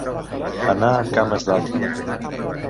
Anar amb cames d'altri.